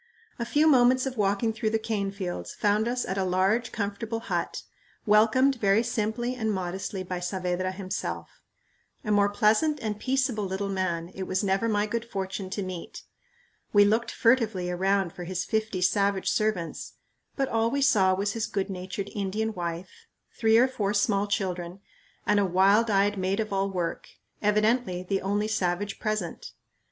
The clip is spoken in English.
A few moments of walking through the cane fields found us at a large comfortable hut, welcomed very simply and modestly by Saavedra himself. A more pleasant and peaceable little man it was never my good fortune to meet. We looked furtively around for his fifty savage servants, but all we saw was his good natured Indian wife, three or four small children, and a wild eyed maid of all work, evidently the only savage present.